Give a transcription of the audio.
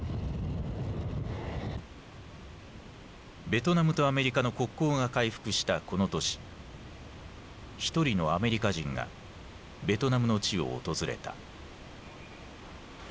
ベトナムとアメリカの国交が回復したこの年一人のアメリカ人がベトナムの地を訪れた。